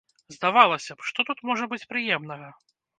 Здавалася б, што тут можа быць прыемнага?